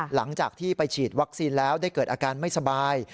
หลังจากที่ไปฉีดวัคซีนแล้วได้เกิดอาการไม่สบาย